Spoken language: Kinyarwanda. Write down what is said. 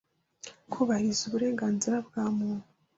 kubehirize uburengenzire bwe muntu